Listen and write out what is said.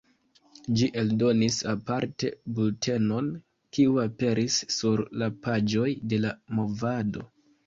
Ĝi eldonis aparte bultenon, kiu aperis sur la paĝoj de La Movado.